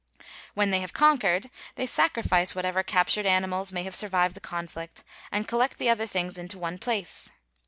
When they have conquered, they sacrifice whatever captured animals may have survived the conflict, and collect the other things into one place.